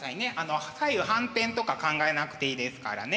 左右反転とか考えなくていいですからね。